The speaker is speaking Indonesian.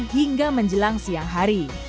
hingga menjelang siang hari